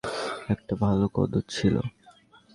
মজনু মিয়ার ভাতের হোটেলে হিমুর একটা ভালো কদর ছিলো।